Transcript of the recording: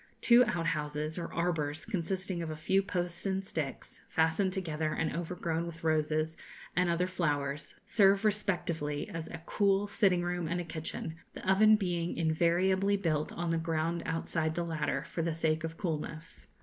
Two outhouses, or arbours, consisting of a few posts and sticks, fastened together and overgrown with roses and other flowers, serve respectively as a cool sitting room and a kitchen, the oven being invariably built on the ground outside the latter, for the sake of coolness.